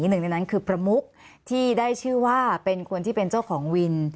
หนึ่งในนั้นคือประมุกที่ได้ชื่อว่าเป็นคนที่เป็นเจ้าของวิน